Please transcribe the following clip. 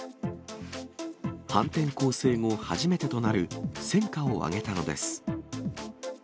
反転攻勢後初めてとなる戦果を上げたのです。